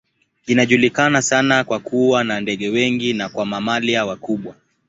Inajulikana sana kwa kuwa na ndege wengi na kwa mamalia wakubwa.